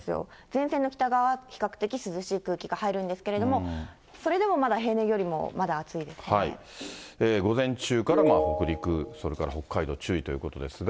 前線の北側は比較的涼しい空気が入るんですけれども、それでもまだ平年より午前中から北陸、それから北海道注意ということですが。